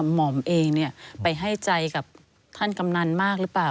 ห่อมเองไปให้ใจกับท่านกำนันมากหรือเปล่า